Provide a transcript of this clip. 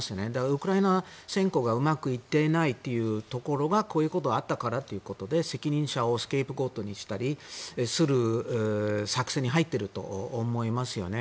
ウクライナ侵攻がうまくいっていないというところがこういうことがあったからということで責任者をスケープゴートにしたりする作戦に入っていると思いますよね。